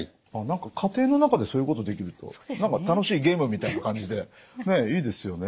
何か家庭の中でそういうことできると楽しいゲームみたいな感じでいいですよね。